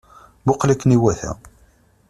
Muqqel akken iwata!